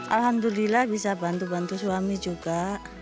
alhamdulillah bisa bantu bantu suami juga